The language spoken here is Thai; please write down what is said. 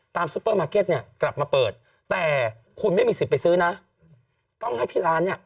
ซูเปอร์มาร์เก็ตเนี่ยกลับมาเปิดแต่คุณไม่มีสิทธิ์ไปซื้อนะต้องให้ที่ร้านเนี่ย